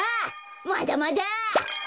まだまだ！